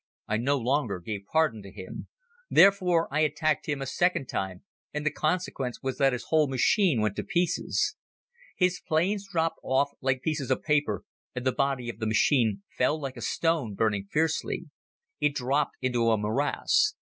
I no longer gave pardon to him. Therefore, I attacked him a second time and the consequence was that his whole machine went to pieces. His planes dropped off like pieces of paper and the body of the machine fell like a stone, burning fiercely. It dropped into a morass.